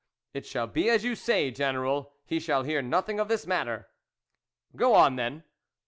" It shall be as you say, General ; he shall hear nothing of this matter." " Go on, then."